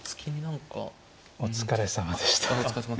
お疲れさまでした。